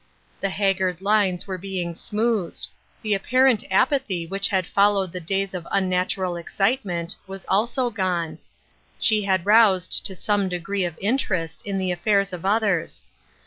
The haggard lines were being smoothed ; the apparent apathy which had followed the days of unnatural excitement, was also gone ; she had roused to some degree of interest in the affairs of others.